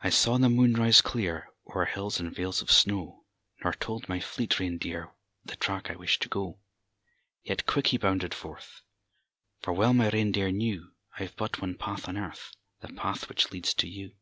I saw the moon rise clear O'er hills and vales of snow Nor told my fleet reindeer The track I wished to go. Yet quick he bounded forth; For well my reindeer knew I've but one path on earth The path which leads to you.